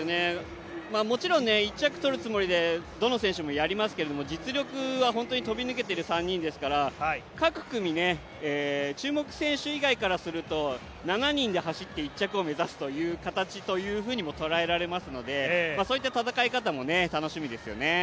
もちろん１着を取るつもりでどの選手もやりますけども実力は本当に飛び抜けている３人ですから各組、注目選手以外からすると７人で走って、１着を目指す形というふうにも捉えられますのでそういった戦い方も楽しみですよね。